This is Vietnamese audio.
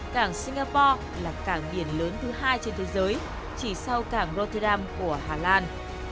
cảng singapore là cảng biển lớn thứ hai trên thế giới chỉ sau cảng rotharam của hà lan